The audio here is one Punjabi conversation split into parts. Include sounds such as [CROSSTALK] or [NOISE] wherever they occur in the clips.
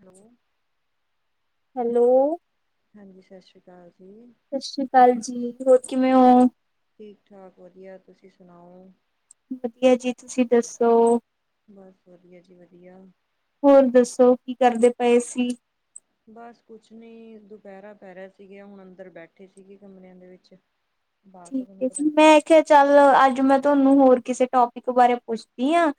ਹੈਲੋ ਹੈਲੋ ਹਾਂਜੀ ਸਸ ਸ਼੍ਰੀ ਕਾਲ ਜੀ। ਸਸ ਸ਼੍ਰੀ ਕਾਲ ਜੀ ਹੋਰ ਕਿਵੇਂ ਓ? ਠੀਕ ਠਾਕ ਵਧੀਆ, ਤੁਸੀਂ ਸੁਣਾਓ? ਵਧੀਆ ਜੀ, ਤੁਸੀਂ ਦੱਸੋ? ਬਸ ਵਧੀਆ ਜੀ ਵਧੀਆ। ਹੋਰ ਦੱਸੋ ਕੀ ਕਰਦੇ ਪਏ ਸੀ? ਬਸ ਕੁਛ ਨੀ ਦੁਪਹਿਰਾ ਪੈ ਰਿਹਾ ਸੀਗਾ ਹੁਣ ਅੰਦਰ ਬੈਠੇ ਸੀਗੇ ਕਮਰਿਆਂ ਦੇ ਵਿੱਚ ਬਾਹਰ ਤਾਂ ਠੀਕ ਤੁਹਾਨੂੰ ਹੈ ਪਤਾ ਜੀ ਨੀ ਮੈ ਏ ਚੱਲ ਅੱਜ ਮੈਂ ਤੁਹਾਨੂੰ ਹੋਰ ਕਿਸੇ ਟੋਪਿਕ ਬਾਰੇ ਪੁੱਛਦੀ ਆ।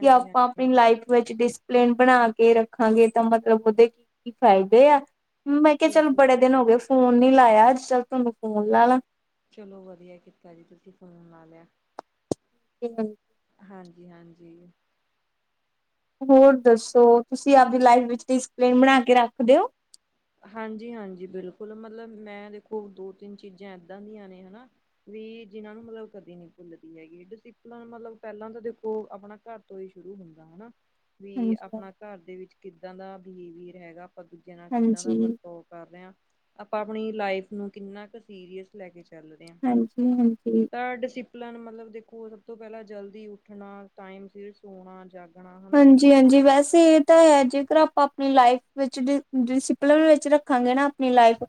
ਕਿ ਆਪਾਂ ਹਾਂਜੀ ਆਪਣੀ ਲਾਈਫ ਵਿੱਚ ਡਿਸ ਪਲੇਨ ਬਣਾ ਕੇ ਰੱਖਾਂਗੇ ਤਾਂ ਮਤਲਬ ਉਹਦੇ ਕੀ -ਕੀ ਫਾਇਦੇ ਆ? ਮੈਂ ਕਿਹਾ ਚੱਲ ਬਿਲਕੁਲ ਬੜੇ ਦਿਨ ਬਿਲਕੁਲ ਹੋ ਗਏ ਫੋਨ ਨੀ ਲਾਇਆ ਅੱਜ ਚੱਲ ਤੁਹਾਨੂੰ ਫੋਨ ਲਾ। ਚਲੋ ਵਧੀਆ ਕੀਤਾ ਜੀ ਤੁਸੀਂ ਫੋਨ ਲਾ ਲਿਆ। ਕਿਨੂੰ ਹਾਂਜੀ ਹਾਂਜੀ। ਹੋਰ ਦੱਸੋ ਤੁਸੀਂ ਆਪਦੀ ਲਾਈਫ ਡਿਸਿਪਲਿਨ ਬਣਾ ਕੇ ਰੱਖ ਦਿਓ? ਹਾਂਜੀ ਹਾਂਜੀ ਬਿਲਕੁਲ ਮਤਲਬ ਮੈਂ ਦੇਖੋ ਦੋ- ਤਿੰਨ ਚੀਜ਼ਾਂ ਏਦਾਂ ਦੀਆਂ ਨੇ ਨਾ ਵੀ ਜਿਨਾਂ ਨੂੰ ਮਤਲਬ ਕਦੇ ਨਹੀਂ ਭੁੱਲਦੀ ਹੈਗੀ ਡਿਸਪਲਨ ਮਤਲਬ ਪਹਿਲਾਂ ਤਾਂ ਦੇਖੋ ਆਪਣਾ ਘਰ ਤੋਂ ਹੀ ਸ਼ੁਰੂ ਹੁੰਦਾ ਹਨਾ, ਵੀ ਹਾਂਜੀ, ਆਪਣਾ ਘਰ ਦੇ ਵਿੱਚ ਕਿੱਦਾਂ ਦਾ ਬਿਹੇਵੀਅਰ ਹੈਗਾ ਆਪਾਂ ਦੂਜੇ ਜਿੱਦਾਂ ਦਾ ਹਾਂਜੀ, ਵਰਤਾਓ ਕਰ ਰਿਹਾਂ ਆਪਾਂ ਆਪਣੀ ਲਾਈਫ ਨੂੰ ਕਿੰਨਾ ਕੁ ਸੀਰੀਅਸ ਲੈ ਕੇ ਚੱਲ ਰਿਹਾ ਹਾਂਜੀ, ਹਾਂ, ਹਾਂਜੀ। ਪਰ ਡਿਸਪ -ਪਲਾਨ ਮਤਲਬ ਦੇਖੋ ਸਭ ਤੋਂ ਪਹਿਲਾਂ ਜਲਦੀ ਉੱਠਣਾ ਟਾਈਮ ਸਿਰ ਸੋਣਾ ਜਾਗਣਾ ਹਨਾ। ਜੀ ਹਾਂਜੀ ਵੈਸੇ ਇਹ ਤਾਂ ਹੈ ਜੇਕਰ ਆਪਾਂ ਆਪਣੀ ਲਾਈਫ ਵਿੱਚ ਡਿ- ਡਿਸਪਲਿਨ ਵਿੱਚ ਰੱਖਾਂਗੇ ਨਾ ਆਪਣੀ ਲਾਈਫ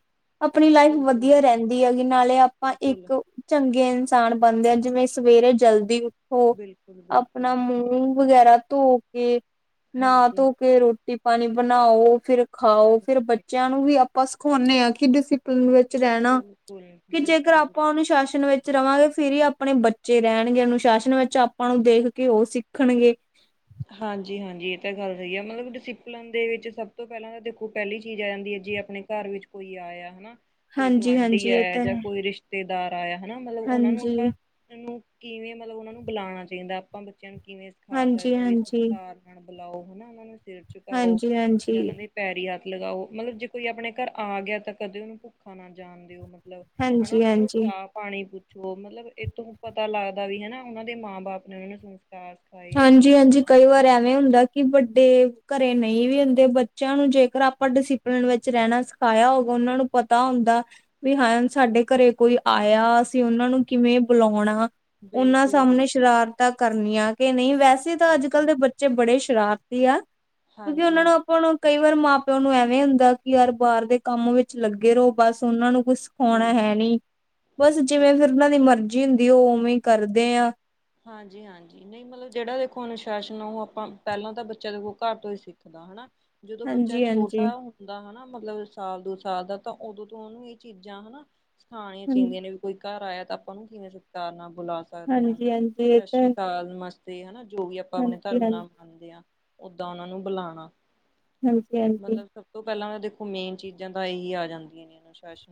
-ਆਪਣੀ ਲਾਈਫ ਬਿਲਕੁਲ। ਵਧੀਆ ਰਹਿੰਦੀ ਹੈਗੀ ਨਾਲੇ ਆਪਾਂ ਬਿਲਕੁਲ, ਇੱਕ ਚੰਗੇ ਇਨਸਾਨ ਬਣਦੇ ਆ ਜਿਵੇਂ ਸਵੇਰੇ ਜਲਦੀ ਉੱਠੋ ਬਿਲਕੁਲ, ਬਿਲਕੁਲ ਆਪਣਾ ਮੂੰ ਵਗੈਰਾ ਧੋ ਕੇ ਨਾ ਹਾਂਜੀ। ਧੋ ਕੇ ਰੋਟੀ ਪਾਣੀ ਬਣਾਓ ਫਿਰ ਖਾਓ ਫੇਰ ਬੱਚਿਆਂ ਨੂੰ ਵੀ ਆਪਾਂ ਸਿਖਾਉਂਦੇ ਹਾਂ ਕਿ ਡਿਸਪ ਪਲਨ ਵਿੱਚ ਰਹਿਣਾ, ਬਿਲਕੁਲ ਕਿ ਜੇਕਰ ਬਿਲਕੁਲ ਆਪਾਂ ਅਨੁਸ਼ਾਸਨ ਵਿੱਚ ਰਵਾਂਗੇ ਫਿਰ ਹੀ ਆਪਣੇ ਬੱਚੇ ਰਹਿਣਗੇ ਅਨੁਸ਼ਾਸਨ ਵਿੱਚ ਆਪਾਂ ਨੂੰ ਦੇਖ ਕੇ ਉਹ ਸਿੱਖਣਗੇ। ਹਾਂਜੀ ਹਾਂਜੀ ਇਹ ਤਾਂ ਗੱਲ ਸਹੀ ਆ ਮਤਲਬ ਡਿਸਿਪਲਨ ਦੇ ਵਿੱਚ ਸਭ ਤੋਂ ਪੈਲਾਂ ਤਾਂ ਦੇਖੋ ਪੈਲੀ ਚੀਜ਼ ਆ ਜਾਂਦੀ ਹੈ ਜੇ ਆਪ ਘਰ ਵਿੱਚ ਕੋਈ ਆਇਆ ਹਨਾ ਕੋਈ ਗੁਆਂਢੀ ਹਾਂਜੀ-ਹਾਂਜੀ ਇਹ ਆਇਆ ਤਾਂ ਜਾਂ ਹੈ ਕੋਈ ਰਿਸ਼ਤਾ ਰਿਸ਼ਤੇਦਾਰ ਆਇਆ ਹਨਾ ਮਤਲਬ ਉਹਨਾਂ ਨੂੰ ਹਾਂਜੀ, ਆਪਾਂ ਨੂੰ ਕਿਵੇਂ ਮਤਲਬ ਉਹਨਾਂ ਨੂੰ ਬੁਲਾਣਾ ਚਾਈਦਾ ਆਪਾਂ ਬੱਚਿਆਂ ਨੂੰ ਕਿਵੇਂ ਸਿਖਾ ਹਾਂਜੀ ਸਕਦੇ ਹਾਂ ਵੀ ਹਾਂਜੀ ਸਤਿਕਾਰ ਬੁਲਾਓ ਹਨਾ ਉਹਨਾਂ ਨੂੰ ਸਿਰ ਝੁਕਾਓ ਹਾਂਜੀ, ਹਾਂਜੀ, ਜਾਂ ਪੈਰੀ ਹੱਥ ਲਗਾਓ ਮਤਲਬ ਜੇ ਕੋਈ ਆਪਣੇ ਘਰ ਆ ਗਿਆ ਤਾਂ ਕਦੇ ਉਹਨੂੰ ਭੁੱਖਾ ਨਾ ਜਾਣ ਦਿਓ ਮਤਲਬ ਹਨਾ ਹਾਂਜੀ, ਉਹ ਨੂੰ ਹਾਂਜੀ। ਚਾ ਪਾਣੀ ਪੁੱਛੋ ਮਤਲਬ ਇਹਤੋਂ ਪਤਾ ਲੱਗਦਾ ਵੀ ਹਨਾ ਉਹਨਾਂ ਦੇ ਮਾਂ ਬਾਪ ਨੇ ਉਹਨਾਂ ਨੂੰ ਸੰਸਕਾ ਆਹੀ ਨੀ ਤੂ ਹਾਂਜੀ, ਹਾਂਜੀ ਕਈ ਵਾਰ ਐਵੇਂ ਹੁੰਦਾ ਕਿ ਵੱਡੇ ਘਰੇ ਨਹੀਂ ਵੀ ਹੁੰਦੇ ਬੱਚਿਆਂ ਨੂੰ ਜੇਕਰ ਆਪਾਂ ਡਿਸਪਲਿਨ ਵਿੱਚ ਰਹਿਣਾ ਪਾਇਆ ਹੋਗਾ ਉਹਨਾਂ ਨੂੰ ਪਤਾ ਹੁੰਦਾ ਵੀ ਹਾਂ ਸਾਡੇ ਘਰੇ ਕੋਈ ਆਇਆ ਅਸੀਂ ਉਹਨਾਂ ਨੂੰ ਕਿਵੇਂ ਬੁਲਾਣਾ ਉਹਨਾਂ ਸਾਹਮਣੇ ਬਿਲਕੁਲ ਸ਼ਰਾਰਤ ਤਾਂ ਕਰਨੀੀਆਂ ਕਿ ਨਹੀਂ ਵੈਸੇ ਤਾਂ ਅੱਜ ਹਾਂਜੀ ਕੱਲ ਦੇ ਬੱਚੇ ਬੜੇ ਸ਼ਰਾਰਤੀ ਆ ਤੁਸੀ ਹਾਂਜੀ ਉਹਨਾ ਨੂੰ ਹਾਂਜੀ ਆਪਾਂ ਨੂੰ ਕਈ ਵਾਰ ਮਾਂ ਪਿਓ ਨੂੰ ਐਵੇਂ ਹੁੰਦਾ ਕਿ ਯਾਰ ਬਾਹਰ ਦੇ ਕੰਮ ਵਿੱਚ ਲੱਗੇ ਰਹੋ ਬਸ ਉਹਨਾਂ ਨੂੰ ਕੁਛ ਹੋਣਾ ਬਿਲਕੁਲ ਹੈ ਨੀ ਬਸ ਜਿਵੇਂ ਫਿਰ ਬਿਲਕੁਲ ਉਹਨਾਂ ਦੀ ਮਰਜ਼ੀ ਹੁੰਦੀ ਉਹ ਉਵੇਂ ਕਰਦੇ ਆਾਂ ਹਾਂਜੀ ਹਾਂਜੀ ਨਹੀਂ ਮਤਲਬ ਜਿਹੜਾ ਦੇਖੋ ਅਨੁਸ਼ਾਸਨ ਆ ਉਹ ਆਪਾਂ ਪੈਲਾਂ ਤਾਂ ਬੱਚਾ ਦੇ ਖੋ ਘਰ ਤੋਂ ਹੀ ਸਿੱਖਦਾ ਹੈ ਨਾ ਜਦੋਂ ਬੱਚਾ ਹਾਂਜੀ ਹਾਂਜੀ ਛੋਟਾ ਦਾ ਹਨਾ ਮਤਲਬ ਸਾਲ ਦੋ ਸਾਲ ਦਾ ਤਾਂ ਉਦੋਂ ਤੋਂ ਉਹਨੂੰ ਇਹ ਚੀਜ਼ਾਂ ਹਨਾ ਸਖਾਣੀਆਂ ਹਾਂ ਚਾਈਦੀਆਂ ਨੇ ਕੋਈ ਘਰ ਆਇਆ ਤਾਂ ਆਪਾਂ ਨੂੰ ਕਿਵੇਂ ਸਤਿਕਾਰ ਨਾਲ ਬੁਲਾ ਸਕੇ ਹਾਂਜੀ ਹਾਂਜੀ ਸਤਿ ਤਾਂ ਸ਼੍ਰੀ ਅਕਾਲ ਨਮਸਤੇ ਹਨਾ ਜੋ ਵੀ ਆਪਾਂ ਆਪਣੇ ਹਾਂਜੀ ਹਾਂਜੀ ਧਰਮ ਨਾਲ ਖਦੇ ਆ ਓਦਾਂ ਉਹਨਾਂ ਨੂੰ ਬੁਲਾਣਾ ਹਾਂਜੀ ਹਾਂਜੀ ਮਤਲਬ ਤੋਂ ਪੈਲਾਂ ਤਾਂ ਦੇਖੋ ਮੇਨ ਚੀਜ਼ਾਂ ਤਾਂ ਇਹੀ ਆ ਜਾਂਦੀਆਂ ਨੇ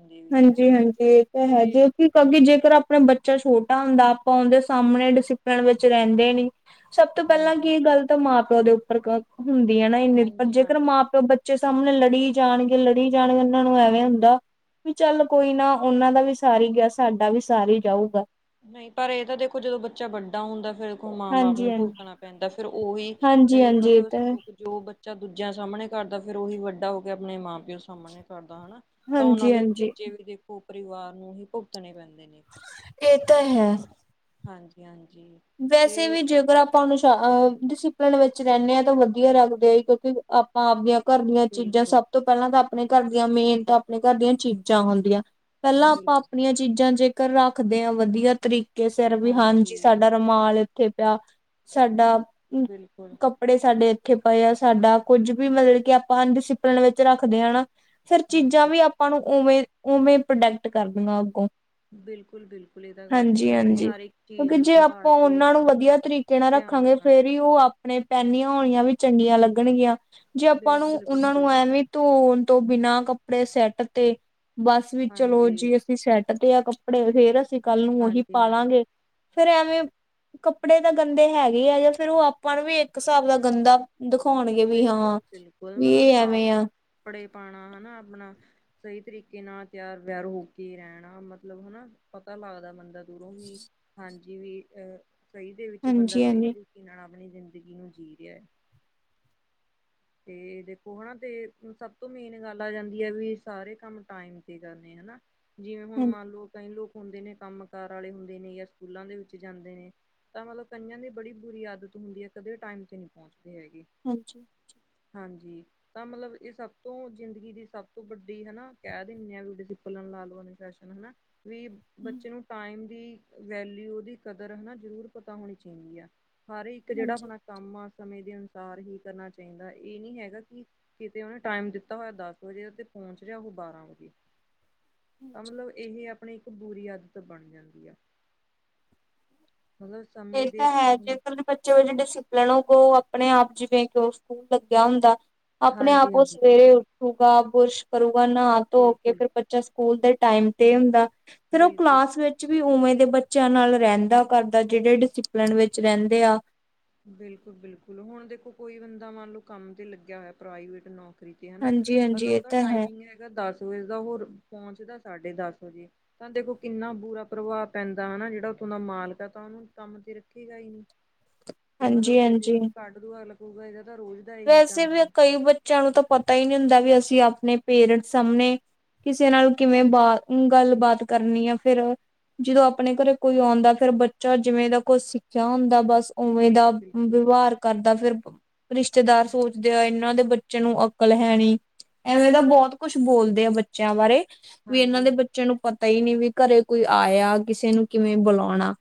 ਦੇ ਵਿੱਚ ਹਾਂਜੀ ਹਾਂਜੀ ਇਹ ਤਾਂ ਹੈ ਤੇ ਜੀ ਕਿ ਜੇਕਰ ਆਪਣਾ ਬੱਚਾ ਛੋਟਾ ਹੁੰਦਾ ਆਪਾਂ ਉਹਦੇ ਸਾਹਮਣੇ ਡਿਸਿਪਲਨ ਵਿੱਚ ਰਹਿੰਦੇ ਨੀ ਸਭ ਤੋਂ ਪੈਲਾਂ ਕੀ ਹਾਂਜੀ, ਇਹ ਗੱਲ ਤਾਂ ਮਾਂ ਪਿਓ ਦੇ ਉੱਪਰ ਹੁੰਦੀ ਹੈ ਨਾ ਇੰਨੀ ਪਰ ਹਾਂਜੀ, ਜੇਕਰ ਮਾਂ ਹਾਂਜੀ। ਪਿਓ ਬੇ ਬੱਚੇ ਸਾਹਮਣੇ ਲੜੀ ਜਾਣਗੇ ਲੜੀ ਜਾਣਗੇ ਉਹਨਾਂ ਨੂੰ ਐਵੇਂ ਹੁੰਦਾ ਵੀ ਚੱਲ ਕੋਈ ਨਾ ਉਹਨਾਂ ਦਾ ਵੀ ਸਾਰ ਹੀ ਗਿਆ ਸਾਡਾ ਵੀ ਸਾਰ ਹੀ ਜਾਊਗਾ ਨਹੀਂ ਪਰ ਇਹ ਤਾਂ ਦੇਖੋ ਜਦੋਂ ਬੱਚਾ ਵੱਡਾ ਹੁੰਦਾ ਫੇਰਖ ਮਾਂ ਬਾਪ ਹਾਂਜੀ ਨੂੰ ਹਾਂਜੀ ਭੁਗਤਣਾ ਏਦਾ ਫੇਿਰ ਉਹੀ ਹਾਂਜੀ ਤੇ ਹਾਂਜੀ ਇਹ ਮਤਲਬ ਤਾਂ ਹੈ। ਜੋ ਬੱਚਾ ਦੂਜਿਆਂ ਸਾਹਮਣੇ ਕਰਦਾ ਫੇਿਰ ਉਹੀ ਵੱਡਾ ਹੋ ਕੇ ਆਪਣੇ ਮਾਂ ਪਿਓ ਸਾਹਮਣੇ ਕਰਦਾ ਹਨਾ ਤਾਂ ਉਹਨਾਂ ਹਾਂਜੀ ਦੇ ਹਾਂਜੀ ਨਤੀਜੇ ਵੀ ਦੇਖੋ ਪਰਿਵਾਰ ਨੂੰ ਹੀ ਭੁਗਤਣੇ ਪੈਂਦੇ ਨੇ ਇਹ ਤਾਂ ਹੈ ਹਾਂਜੀ ਹਾਂਜੀ ਵੈਸੇ ਵੀ ਤੇ ਜੇਕਰ ਆਪਾਂ ਉਹਨੂੰ ਡਿਸਪਲਨ ਵਿੱਚ ਰਹਿੰਦੇ ਹਾਂ ਤਾਂ ਵਧੀਆ ਰੱਖਦੇ ਆ ਕਿਉਂਕਿ ਆਪਾਂ ਆਪਦੀਆਂ ਘਰ ਦੀਆਂ ਚੀਜ਼ਾਂ ਬਿਲਕੁਲ, ਸਭ ਤੋਂ ਪੈਲਾਂ ਤਾਂ ਆਪਣੇ ਘਰ ਦੀਆਂ ਮੇਨ ਤਾ ਆਪਣੇ ਘਰ ਦੀਆਂ ਚੀਜ਼ਾਂ ਹੁੰਦੀਆਂ ਪੈਲਾਂ ਬਿਲਕੁਲ ਆਪਾਂ ਆਪਣੀਆਂ ਚੀਜ਼ਾਂ ਜੇਕਰ ਰੱਖਦੇ ਹਾਂ ਵਧੀਆ ਤਰੀਕੇ ਸਿਰ ਵੀ ਹਾਂਜੀ ਸਾਡੇ ਰੁਮਾਲ ਇੱਥੇ ਪਿਆ ਸਾਡਾ ਬਿਲਕੁਲ ਕੱਪੜੇ ਸਾਡੇ ਇੱਥੇ ਪਏ ਆ। ਸਾਡਾ ਕੁੱਝ ਵੀ ਮਤਲਬ ਕਿ ਆਪਾਂ ਅਨਡਿਸਿਪਲਨ ਵਿੱਚ ਰੱਖਦੇ ਹ ਨਾ ਫਿਰ ਚੀਜ਼ਾਂ ਹਾਂਜੀ। ਵੀ ਆਪਾਂ ਨੂੰ ਉਵੇਂ-ਉਵੇਂ ਪ੍ਰੋਡੈਕਟ ਕਰ ਦੇਣਾ ਅੱਗੋਂ ਬਿਲਕੁਲ-ਬਿਲਕੁਲ ਇਹ ਤਾਂ ਗੱਲ ਸਹੀ ਹੈ। ਆਪਣੇ ਹਾਂਜੀ-ਹਾਂਜੀ। ਹਰ ਇੱਕ ਚੀਜ਼ ਕਿਉਂਕਿ ਨੂੰ ਜੇ ਸੰਭਾਲ ਆਪਾਂ ਕੇ ਉਹਨਾਂ ਨੂੰ ਵਧੀਆ ਤਰੀਕੇ ਨਾਲ ਧਿਆਨ ਰੱਖਾਂਗੇ, ਨਾਲ ਫੇਰ ਹੀ ਉਹ ਆਪਣੇ ਪਹਿਨੀਆਂ ਹੋਇਆਂ ਵੀ ਚੰਗੀਆਂ ਲੱਗਣਗੀਆਂ। ਜੇ ਆਪਾਂ ਨੂੰ ਬਿਲਕੁਲ, ਉਹਨਾਂ ਬਿਲਕੁਲ ਨੂੰ ਐਵੇਂ ਧੋਣ ਤੋਂ ਬਿਨਾਂ ਕੱਪੜੇ ਸੈੱਟ ਤੇ, ਬਸ ਵੀ ਚਲੋ ਹਾਂਜੀ, ਜੀ ਸੈੱਟ ਤੇ ਆ ਕੱਪੜੇ ਫੇਰ ਅਸੀਂ ਕੱਲ ਨੂੰ ਉਹੀ ਹਾਂਜੀ, ਹਾਂਜੀ। ਪਾਾਲਾਂਗੇ। ਫੇਰ ਐਵੇਂ ਕੱਪੜੇ ਤਾਂ ਗੰਦੇ ਹੈਗੇ ਆ ਜਾਂ ਫੇਰ ਉਹ ਆਪਾਂ ਨੂੰ ਵੀ ਇੱਕ ਹਿਸਾਬ ਦਾ ਗੰਦਾ ਦਿਖਾਉਣਗੇ ਵੀ ਹਾਂ, ਬਿਲਕੁਲ-ਬਿਲਕੁਲ ਵੀ ਮਤਲਬ ਇਹ ਸਾਫ਼ ਐਵੇਂ ਆ। ਕੱਪੜੇ ਪਾਉਣਾ, ਹਨਾ ਆਪਣਾ ਸਹੀ ਤਰੀਕੇ ਨਾਲ ਤਿਆਰ ਵਿਆਰ ਹੋ ਕੇ ਰਹਿਣਾ। ਮਤਲਬ ਹਨਾ ਪਤਾ ਲੱਗਦਾ ਬੰਦਾ ਦੂਰੋਂ ਹੀ ਹਾਂਜੀ, ਵੀ ਅਹ ਸਹੀ ਦੇ ਵਿੱਚ ਬੰਦਾ ਸਹੀ ਹਾਂਜੀ-ਹਾਂਜੀ, ਤਰੀਕੇ ਨਾਲ ਆਪਣੀ ਜ਼ਿੰਦਗੀ ਨੂੰ ਜੀ ਰਿਹਾਂ ਹੈ। ਤੇ ਦੇਖੋ ਹਨਾ ਤੇ ਸਭ ਤੋਂ ਮੇਨ ਗੱਲ ਆ ਜਾਂਦੀ ਹੈ, ਵੀ ਸਾਰੇ ਕੰਮ ਟਾਈਮ ਤੇ ਕਰਨੇ ਹਨਾ ਜਿਵੇਂ, ਹੁਣ ਮੰਨ ਲਓ ਕਈ ਲੋਕ ਹੁੰਦੇ ਨੇ ਕੰਮ ਕਾਰ ਵਾਲੇ ਹੁੰਦੇ ਨੇ, ਜਾਂ ਸਕੂਲਾਂ ਦੇ ਵਿੱਚ ਜਾਂਦੇ ਨੇ ਤਾਂ ਮਤਲਬ ਕਈਆਂ ਦੀ ਬੜੀ ਬੁਰੀ ਆਦਤ ਹੁੰਦੀ ਹੈ, ਕਦੇ ਟਾਈਮ ਤੇ ਨਹੀਂ ਪਹੁੰਚਦੇ ਹੈਗੇ। ਹਾਂਜੀ। ਹਾਂਜੀ। ਤਾਂ ਮਤਲਬ ਇਹ ਸਭ ਤੋਂ ਜ਼ਿੰਦਗੀ ਦੀ ਸਭ ਤੋਂ ਵੱਡੀ ਹਨਾ ਕਹਿ ਦਿੰਦੇ ਹ [UNINTELLIGIBLE] ਹਨਾ ਵੀ ਬੱਚੇ ਨੂੰ ਟਾਈਮ ਦੀ ਵੈਲਿਊ ਦੀ ਕਦਰ ਹਨਾ ਜ਼ਰੂਰ ਪਤਾ ਹੋਣੀ ਚਾਹੀਦੀ ਹੈ। ਹਰ ਇੱਕ ਜਿਹੜਾ ਆਪਣਾ ਕੰਮਾਂ ਸਮੇਂ ਦੇ ਅਨੁਸਾਰ ਹੀ ਕਰਨਾ ਚ ਕਹਿੰਦਾ ਇਹ ਨੀ ਹੈਗਾ ਕਿ ਕਿਤੇ ਉਹਨੇ ਟਾਈਮ ਦਿੱਤਾ ਹੋਇਆ ਦਸ ਵਜੇ ਤੇ ਪਹੁੰਚ ਰਿਹਾ ਉਹ ਬਾਰਾਂ ਵਜੇ। [UNINTELLIGIBLE] ਤਾਂ ਮਤਲਬ ਇਹ ਆਪਣੀ ਇੱਕ ਬੁਰੀ, ਆਦਤ ਬਣ ਜਾਂਦੀ ਆ। ਮਤਲਬ ਸਮੇਂ ਇਹ ਦੇ ਤਾਂ ਹੈ ਹਿਸਾਬ ਨਾਲ ਜੇਕਰ ਬੱਚੇ ਵਿੱਚ ਡਿਸਿਪਲਿਨ ਹੋ, ਉਹ ਆਪਣੇ ਆਪ ਜਿਵੇਂ ਕਿ ਉਹ ਸਕੂਲ ਲੱਗਿਆ ਹੁੰਦਾ ਹੈ। ਆਪਣੇ ਹਾਂਜੀ ਆਪ ਉਹ ਹਾਂਜੀ ਸਵੇਰੇ ਉੱਠ ਰੂਗਾ ਬੁਰਸ਼ ਕਰੂਗਾ ਨਹਾ ਧੋ ਕੇ, ਬਿਲਕੁਲ ਫਿਰ ਬੱਚਾ ਸਕੂਲ ਦੇ ਟਾਈਮ ਤੇ ਹੁੰਦਾ‌ ਫਿਰ ਉਹ ਬਿਲਕੁਲ ਕਲਾਸ ਵਿੱਚ ਵੀ ਉਵੇਂ ਦੇ, ਬੱਚਿਆਂ ਨਾਲ ਰਹਿੰਦਾ ਕਰਦਾ ਜਿਹੜੇ ਡਿਸਿਪਲਿਨ ਵਿੱਚ ਰਹਿੰਦੇ ਆ ਬਿਲਕੁਲ-ਬਿਲਕੁਲ। ਹੁਣ ਦੇਖੋ ਕੋਈ ਬੰਦਾ ਮੰਨ ਲਓ ਕੰਮ ਤੇ ਲੱਗਿਆ ਹੋਇਆ, ਪ੍ਰਾਈਵੇਟ ਨੌਕਰੀ ਨੋਕਰੀ ਤੇ ਹਨਾ, ਹਾਂਜੀ ਹਾਂਜੀ ਇਹ ਮਤਲਬਦਾ ਤਾਂ ਹੈ ਟਾਈਮਿੰਗ ਹੈਗਾ, ਦਸ ਵਜੇ ਦਾ ਹੋਰ ਪਹੁੰਚਦਾ ਸਾਡੇ ਦਸ ਵਜੇ। ਤਾਂ ਦੇਖੋ ਕਿੰਨਾ ਬੁਰਾ ਪ੍ਰਭਾਵ ਪੈਂਦਾ ਹਨਾ, ਜਿਹੜਾ ਉੱਥੋਂ ਦਾ ਮਾਲਕ ਆ ਤਾਂ ਉਹਨੂੰ ਕੰਮ ਤੇ ਰੱਖੇਗਾ ਹੀ ਨਹੀਂ। [UNINTELLIGIBLE] ਤੇ ਮਤਲਬ ਜਦ ਹਾਂਜੀ ਕੱਢ ਦੂ ਅਗ ਲੱਗੂਗਾ, ਇਹਦਾ ਤਾਂ ਰੋਜ਼ ਦਾ ਇਹੀ ਵੈਸੇ ਕੰਮ ਵੀ ਹੈ ਕਈ ਬੱਚਿਆਂ ਨੂੰ ਤਾਂ ਪਤਾ ਹੀ ਨਹੀਂ ਹੁੰਦਾ, ਵੀ ਅਸੀਂ ਆਪਣੇ ਪੇਰੈਂਟਸ ਸਾਹਮਣੇ ਕਿਸੇ ਨਾਲ ਕਿਵੇਂ ਬਾ ਗੱਲਬਾਤ ਕਰਨੀ ਆ ਫੇਰ ਜਦੋਂ ਆਪਣੇ ਘਰੇ ਕੋਈ ਆਉਂਦਾ, ਫੇਰ ਬੱਚਾ ਜਿਵੇਂ ਦਾ ਕੋਛ ਸਿੱਖਿਆ ਹੁੰਦਾ ਬਸ ਉਵੇਂ ਦਾ ਬਿਲਕੁਲ ਵਿਵਹਾਰ ਕਰਦਾ ਫੇਰ ਰਿਸ਼ਤੇਦਾਰ ਸੋਚਦੇ ਆ, ਇਹਨਾਂ ਦੇ ਬੱਚੇ ਨੂੰ ਅਕਲ ਹੈਨੀ। ਐਵੇਂ ਤਾਂ ਬਹੁਤ ਕੁਛ ਬੋਲਦੇ ਆ ਬੱਚੇ ਬੱਚਿਆਂ ਬਾਰੇ, ਵੀ ਇਹਨਾਂ ਹਾਂਜੀ ਦੇ ਬੱਚੇ ਬੱਚੇ ਨੂੰ ਪਤਾ ਹੀ ਨਹੀਂ ਵੀ ਘਰੇ ਕੋਈ ਆਇਆ, ਕਿਸੇ ਨੂੰ ਕਿਵੇਂ ਬੁਲਾਉਣਾ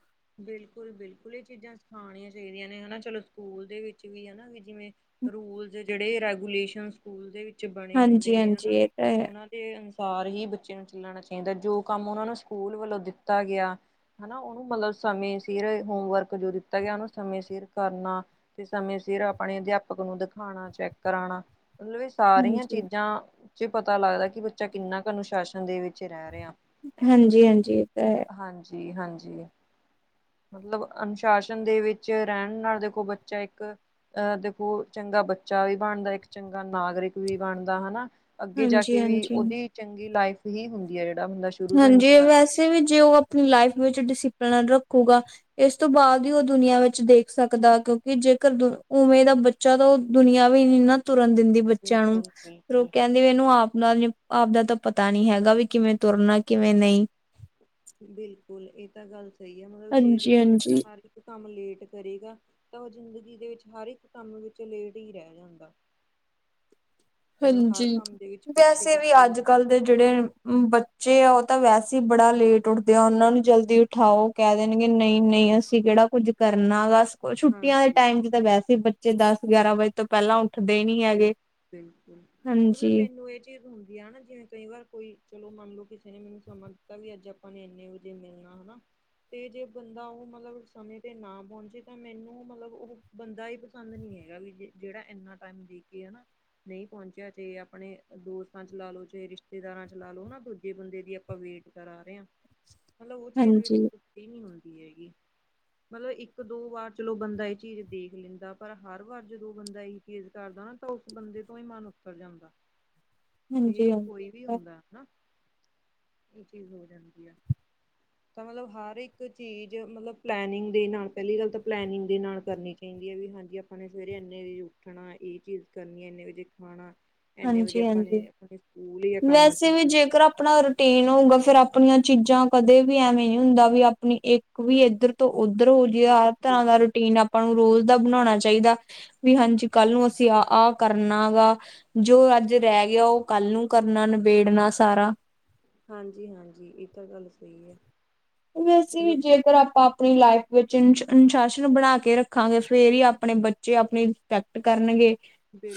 ਬਿਲਕੁਲ-ਬਿਲਕੁਲ ਇਹ ਚੀਜ਼ਾਂ ਸਿਖਾਉਣੀਆਂ ਚਾਹੀਦੀਆਂ ਨੇ ਹਨਾ। ਚਲੋ ਸਕੂਲ ਦੇ ਵਿੱਚ ਵੀ ਹਨਾ ਜਿਵੇਂ ਰੂਲਜ਼ ਜਿਹੜੇ ਰੈਗੂਲੇਸ਼ਨ। [INAUDIBLE] ਸਕੂਲ ਦੇ ਵਿੱਚ ਬਣੇ ਹਾਂਜੀ ਹੁੰਦੇ ਨੇ ਹਾਂਜੀ ਹਨਾ। ਇਹ ਤਾਂ ਹੈ ਅਨੁਸਾਰ ਹੀ ਬੱਚੇ ਨੂੰ ਚੱਲਣਾ ਚਾਹੀਦਾ, ਜੋ ਕੰਮ ਉਹਨਾਂ ਨੂੰ ਸਕੂਲ ਵੱਲੋਂ ਦਿੱਤਾ ਗਿਆ। ਹਨਾ, ਉਹਨੂੰ ਮਤਲਬ ਸਮੇਂ ਸਿਰ ਹੋਮਵਰਕ ਜੋ ਦਿੱਤਾ ਗਿਆ ਉਹਨੂੰ ਸਮੇਂ ਸਿਰ ਕਰਨਾ। ਤੇ ਸਮੇਂ ਸਿਰ ਆਪਣੇ ਅਧਿਆਪਕ ਨੂੰ ਦਿਖਾਉਣਾ, ਚੈੱਕ ਕਰਾਉਣਾ ਮਤਲਬ ਇਸ ਸਾਰੀਆਂ ਹਾਂਜੀ ਚੀਜ਼ਾਂ ਚ ਪਤਾ ਲੱਗਦਾ, ਕਿ ਬੱਚਾ ਕਿੰਨਾ ਕੁ ਅਨੁਸ਼ਾਸਨ ਦੇ ਵਿੱਚ ਰਹਿ ਰਿਹਾ। ਹਾਂਜੀ-ਹਾਂਜੀ, ਇਹ ਤਾਂ ਹੈ। ਹਾਂਜੀ-ਹਾਂਜੀ। ਮਤਲਬ ਅਨੁਸ਼ਾਸਨ ਦੇ ਵਿੱਚ ਰਹਿਣ ਨਾਲ, ਦੇਖੋ ਬੱਚਾ ਇੱਕ ਅਹ ਦੇਖੋ, ਚੰਗਾ ਬੱਚਾ ਵੀ ਬਣਦਾ, ਇੱਕ ਚੰਗਾ ਨਾਗਰਿਕ ਵੀ ਬਣਦਾ ਹਨਾ। ਅੱਗੇ ਜਾ ਹਾਂਜੀ ਕੇ ਵੀ ਹਾਂਜੀ ਉਹਦੀ, ਚੰਗੀ ਲਾਈਫ ਹੀ ਹੁੰਦੀ ਹੈ ਜਿਹੜਾ ਬੰਦਾ ਸ਼ੁਰੂ ਤੋਂ ਹਾਂਜੀ ਇਨਸ਼ਾਸ ਵੈਸੇ ਵੀ, ਜੇ ਬਿਲਕੁਲ ਉਹ ਆਪਣੀ ਲਾਈਫ ਵਿੱਚ ਡਿਸਿਪਲਨ ਰੱਖੁਗਾ ਇਸ ਤੋਂ ਬਾਅਦ ਹੀ, ਉਹ ਦੁਨੀਆਂ ਵਿੱਚ ਦੇਖ ਸਕਦਾ, ਕਿਉਂਕਿ ਜੇਕਰ ਉਵੇਂ ਦਾ ਬੱਚਾ ਜਦੋਂ ਦੁਨੀਆਂ ਵੀ ਨੀ-ਨਾ ਤੁਰਨ ਦਿੰਦੀ, ਬੱਚਿਆਂ ਨੂੰ, ਫਿਰ ਉਹ ਬਿਲਕੁਲ ਕਹਿ ਕਹਿੰਦੇ ਵੀ ਮਨੂੰ ਆਪ ਨਾਲ, ਆਪ ਦਾ ਤਾਂ ਪਤਾ ਨਹੀਂ ਹੈਗਾ, ਵੀ ਕਿਵੇਂ ਤੁਰਨਾ ਕਿਵੇਂ ਨਹੀਂ। ਬਿਲਕੁਲ ਇਹ ਤਾਂ ਗੱਲ ਸਹੀ ਹੈ, ਮਤਲਬ ਜੇ ਹਾਂਜੀ ਦੇਖੋ ਬੱਚਾ ਹਾਂਜੀ ਹਾਲ ਕੰਮ ਲੇਟ ਕਰੇਗਾ, ਤਾਂ ਉਹ ਜ਼ਿੰਦਗੀ ਦੇ ਵਿੱਚ ਹਰ ਇੱਕ ਕੰਮ ਵਿੱਚ, ਲੇਟ ਹੀ ਰਹਿ ਜਾਂਦਾ। ਮਤਲਬ ਹਰ ਹਾਂਜੀ, ਕੰਮ ਦੇ ਵਿੱਚ ਪਿੱਛੇ ਵੈਸੇ ਵੀ ਪਿੱਛੇ ਹੀ ਅੱਜ ਰਹਿ ਕੱਲ। ਜਿਹੜੇ ਬੱਚੇ ਆ, ਉਹ ਤਾਂ ਵੈਸੇ ਹੀ, ਬੜਾ ਲੇਟ ਉੱਠਦੇ ਆ, ਉਹਨਾਂ ਨੂੰ ਜਲਦੀ। ਹਾਂ, ਉਹ ਕਹਿ ਦੇਣਗੇ ਨਹੀਂ -ਨਹੀਂ, ਅਸੀਂ ਕਿਹੜਾ ਕੁੱਝ ਕਰਨਾ ਬਸ ਛੁੱਟੀਆਂ ਦੇ ਹਾਂਜੀ ਟਾਈਮ ਚ, ਤਾਂ ਵੈਸੇ ਬੱਚੇ ਦਸ ਗਿਆਰਾਂ ਵਜੇ ਤੋਂ, ਪਹਿਲਾਂ ਉੱਠਦੇ ਨੀ ਬਿਲ ਹੈਗੇ। ਬਿਲਕੁਲ, ਮਤਲਬ ਹਾਂਜੀ। ਮੈਨੂੰ ਇੰਝ ਚੀਜ਼ ਹੁੰਦੀ ਹੈ ਨਾ, ਜਿਵੇਂ ਕਈ ਵਾਰ ਕੋਈ ਚਲੋ ਮੰਨ ਲਓ, ਕਿਸੇ ਨੇ ਮੈਨੂੰ ਸਮਾਂ ਦਿੱਤਾ ਵੀ ਅੱਜ ਆਪਾਂ ਨੇ ਇੰਨੇ। ਜੇ, ਮਿਲਣਾ ਨਾ। ਅਤੇ, ਜੇ ਬੰਦਾ ਉਹ, ਮਤਲਬ ਸਮੇਂ 'ਤੇ ਨਾ ਪਹੁੰਚੇ ਤਾਂ ਮੈਨੂੰ ਮਤਲਬ ਉਹ ਬੰਦਾ, ਇਹ ਪਸੰਦ ਨਹੀਂ, ਹੈਗਾ ਵੀ ਜਿਹੜਾ ਇਨਾ ਟਾਈਮ ਦੇ ਕੇ ਨਾ ਨਹੀਂ ਪਹੁੰਚਿਆ, ਚਾਹੇ ਆਪਣੇ ਦੋਸਤਾਂ ਚ ਲਾ ਲੋ, ਚਾਹੇ ਰਿਸ਼ਤੇਦਾਰਾਂ ਚ ਲਾ ਲਓ, ਨਾ ਦੂਜੇ ਬੰਦੇ ਦੀ ਆਪਾਂ ਵੇਟ ਕਰਾ ਰਹੇ ਹਾਂ। ਮਤਲਬ ਉਹ ਚੀਜ਼ ਵੀ, ਹਾਂਜੀ ਇਕ ਨੀ ਹੁੰਦੀ ਹੈਗੀ ਮਤਲਬ ਇੱਕ ਦੋ ਵਾਰ ਚਲੋ, ਬੰਦਾ ਇਹ ਚੀਜ਼ ਦੇਖ ਲੈਂਦਾ ਪਰ ਹਰ ਵਾਰ ਜਦੋਂ ਬੰਦਾ ਚੀਜ਼ ਕਰਦਾ ਨਾ, ਤਾਂ ਉਸ ਬੰਦੇ ਤੋਂ, ਹੀ ਮਨ ਉਤਰ ਜਾਂਦਾ ਹਾਂਜੀ ਹਾਂਜੀ ਤੇ ਕੋਈ ਵੀ ਹੁੰਦਾ ਹਨਾ, ਇਹ ਚੀਜ਼ ਹੋ ਜਾਂਦੀ ਆ ਤਾਂ ਮਤਲਬ, ਹਰ ਇੱਕ ਚੀਜ਼ ਮਤਲਬ ਪਲੈਨਿੰਗ, ਦੇ ਨਾਲ, ਪਹਿਲੀ ਗੱਲ ਤਾਂ ਪਲੈਨਿੰਗ ਦੇ ਨਾਲ ਕਰਨੀ ਚਾਹੀ ਕਹਿੰਦੀ ਆ, ਵੀ ਹਾਂਜੀ ਆਪਾਂ ਨੇ ਸਵੇਰੇ ਇੰਨੇ ਦੀ ਉੱਠਣਾ, ਇਹ ਚੀਜ਼ ਕਰਨੀ, ਇੰਨੇ ਵਜੇ ਖਾਣਾ ਇੰਨੇ ਵਜੇ, ਹਾਂਜੀ ਆਪਾਂ ਹਾਂਜੀ। ਨੇ ਆਪਾਂ ਵੈਸੇ, ਵੀ ਜੇਕਰ ਆਪਣਾ ਟੇਨ ਹੋਊਗਾ, ਫੇਰ ਆਪਣੀਆਂ, ਚੀਜ਼ਾਂ ਕਦੇ ਵੀ ਐਵੇਂ ਨ ਹੁੰਦਾ ਵੀ, ਆਪਣੀ ਇੱਕ ਵੀ ਏਧਰ ਉੱਧਰੋਂ, ਜਿਵੇਂ ਬਿਲਕੁਲ ਹਰ, ਤਰ੍ਹਾਂ ਦਾ ਬਿਲਕੁਲ ਰੂਟੀਨ, ਆਪਾਂ ਨੂੰ ਰੋਜ਼ ਦਾ ਬਣਾਉਣਾ ਚਾਹੀਦਾ ਵੀ ਹਾਂਜੀ, ਕੱਲ ਨੂੰ, ਅਸੀਂ ਆ ਆਹ ਕਰਨਾ ਵਾ, ਜੋ ਅੱਜ ਰਹਿ ਗਿਆ ਉਹ ਕੱਲ ਨੂੰ ਕਰਨਾ, ਨਿਬੇੜਨਾ, ਸਾਰਾ। ਹਾਂਜੀ -ਹਾਂਜੀ, ਇਹ ਤਾਂ ਗੱਲ ਸਹੀ ਹੈ ਵੈਸੇ ਵੀ, ਮਤਲਬ ਜੇਕਰ ਆਪਾਂ ਆਪਣੀ ਲਾਈਫ। ਵਿੱਚ ਜੀਮ, ਅਨੁਸ਼ਾਸਨ ਬਣਾ ਕੇ ਰੱਖਾਂਗੇ, ਫਿਰ ਹੀ ਆਪਣੇ ਬੱਚੇ ਆਪਣੀ ਰਿਸਪੈਕਟ ਕਰਨਗੇ।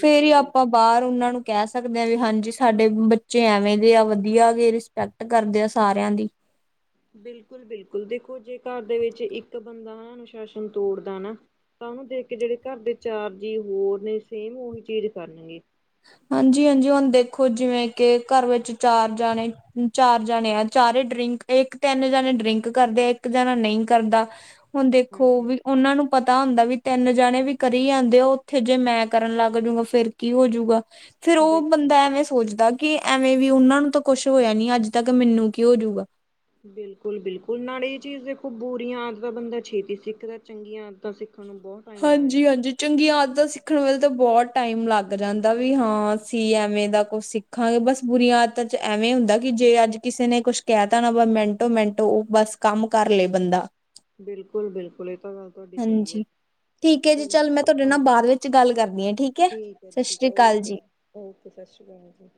ਫੇਰ ਈ ਬਿਲਕੁਲ ਆਪਾ ਬਾਹਰ ਉਹਨਾਂ ਨੂੰ ਕਹਿ ਸਕਦੇ ਆਂ, ਵੀ ਹਾਂਜੀ ਸਾਡੇ ਬੱਚੇ ਐਵੇਂ ਦੇ ਆ, ਵਧੀਆ ਗੇ। ਪਕਟ ਕਰਦੇ ਆ, ਸਾਰਿਆਂ ਦੀ। ਬਿਲਕੁਲ-ਬਿਲਕੁਲ, ਦੇਖੋ ਜੇ ਘਰ ਦੇ ਵਿੱਚ ਇੱਕ ਬੰਦਾ ਅਨੁਸ਼ਾਸਨ ਤੋੜਦਾ ਨਾ ਤਾਂ ਉਹਨੂੰ ਦੇਖ ਕੇ, ਜਿਹੜੇ ਘਰ ਦੇ ਚਾਰ ਜੀ ਹੋਰ ਨੇ ਸੇਮ ਉਹੀ ਚੀਜ਼ ਕਰਨਗੇ। ਹਾਂਜੀ-ਹਾਂਜੀ, ਹੁਣ ਦੇਖੋ ਜਿਵੇਂ ਕਿ ਘਰ ਵਿੱਚ ਚਾਰ ਜਾਣੇ ਚਾਰ ਜਣੇ ਆ ਚਾਰੇ ਡਰਿੰਕ, ਇੱਕ, ਤਿੰਨ ਜਾਣੇ ਡਰਿੰਕ ਕਰਦੇ ਆ, ਇੱਕ ਜਣਾ ਨਹੀਂ ਕਰਦਾ ਹੁਣ ਦੇਖੋ, ਹਾਂਜੀ। ਵੀ ਉਹਨਾਂ ਨੂੰ ਪਤਾ ਹੁੰਦਾ ਵੀ ਤਿੰਨ ਜਾਣੇ ਵੀ ਕਰੀ ਜਾਂਦੇ, ਉੱਥੇ ਜੇ ਮੈਂ ਕਰਨ ਲੱਗ ਜੁੰਗਾ ਫੇਰ ਕੀ ਹੋਜੂ। ਫਿਰ, ਉਹ ਬਿਲਕੁਲ। ਬੰਦਾ ਐਵੇਂ ਸੋਚਦਾ ਕਿ ਐਵੇਂ ਵੀ ਉਹਨਾਂ ਨੂੰ ਤਾਂ ਕੁਛ ਹੋਇਆ ਨੀ ਅੱਜ ਤੱਕ, ਮੀਨੂੰ ਕੀ ਹੋਜੂਗਾ। ਬਿਲਕੁਲ-ਬਿਲਕੁਲ, ਨਾਲੇ ਇਹ ਚੀਜ਼ ਦੇਖੋ ਬੁਰੀਆਂ ਆਦਤਾਂ ਬੰਦਾ ਛੇਤੀ ਸਿੱਖਦਾ, ਚੰਗੀਆਂ ਆਦਤਾਂ ਸਿੱਖਣ ਨੂੰ ਬਹੁਤ ਟਾਈਮ ਲੱਗ ਜਾਂਦਾ ਹਾਂਜੀ-ਹਾਂਜੀ। ਚੰਗੀਆਂ ਆਦਤਾਂ ਸਿੱਖਣ ਵੇਲੇ ਤਾਂ ਬਹੁਤ ਟਾਈਮ ਲੱਗ ਜਾਂਦਾ, ਵੀ ਹਾਂ, ਅਸੀ ਐਂਵੇ ਦਾ ਕੁਛ ਸਿੱਖ ਸਿਖਾਂਗੇ, ਬਸ ਬੁਰੀਆਂ ਆਦਤਾਂ'ਚ ਐਵੇਂ ਹੁੰਦਾ, ਕਿ ਜੇ ਅੱਜ ਕਿਸੇ ਨੇ ਕੁਛ ਕਹਿਤਾ ਨਾ, ਬਸ ਮਿੰਟੋ-ਮਿੰਟ ਉਹ ਬਸ ਕੰਮ ਕਰਲੇ ਬੰਦਾ। ਬਿਲਕੁਲ- ਬਿਲਕੁਲ, ਇਹ ਤਾ ਗੱਲ ਤੁਹਾਡੀ ਸਹੀ ਏ। ਹਾਂਜੀ ਠੀਕ ਏ ਜੀ, ਚੱਲ ਮੈਂ ਤੁਹਾਡੇ ਨਾਲ ਬਾਅਦ ਵਿੱਚ ਗੱਲ ਕਰਦੀ ਆਂ, ਠੀਕ ਹੈ, ਸਤਿ ਸ਼੍ਰੀ ਅਕਾਲ ਜੀ। ਓਕੇ, ਸਤਿ ਸ਼੍ਰੀ ਅਕਾਲ ਜੀ।